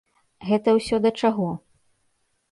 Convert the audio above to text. Гэта ўсё да чаго?